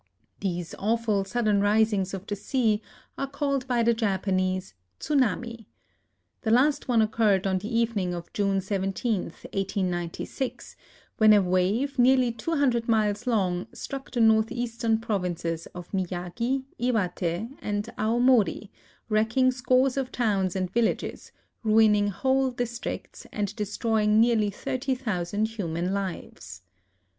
These awful sudden risings of the sea are called by the Japanese tsunami. The last one occurred on the evening of June 17, 1896, when a wave nearly two hundred miles long struck the northeastern provinces of Miyagi, Iwate, and Aomori, wrecking scores of towns and villages, ruining whole districts, and destroying nearly thirty thousand human lives.